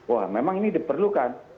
wah memang ini diperlukan